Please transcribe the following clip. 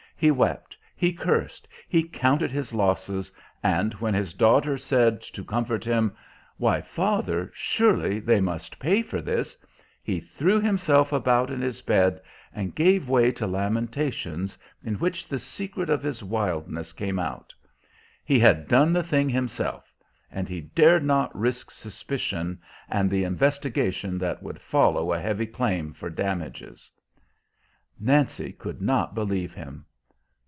He wept, he cursed, he counted his losses, and when his daughter said, to comfort him, "Why, father, surely they must pay for this!" he threw himself about in his bed and gave way to lamentations in which the secret of his wildness came out. He had done the thing himself; and he dared not risk suspicion, and the investigation that would follow a heavy claim for damages. Nancy could not believe him.